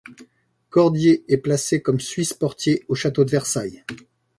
Cordier est placé comme suisse portier au château de Versailles.